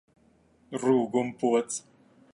Rūguma pods!